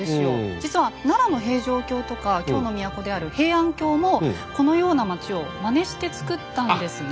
実は奈良の平城京とか京の都である平安京もこのような町をまねしてつくったんですね。